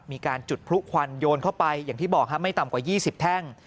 มีการจุดพลุควันโยนเข้าไปอย่างที่บอกครับไม่ต่ำกว่า๒๐แท่ง